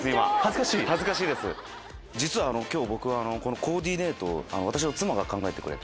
実は今日このコーディネート私の妻が考えてくれて。